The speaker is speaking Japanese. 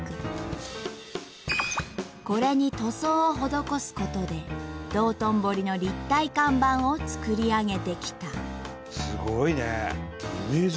これに塗装をほどこすことで道頓堀の立体看板を作り上げてきた。